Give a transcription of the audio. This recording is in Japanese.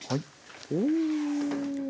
お。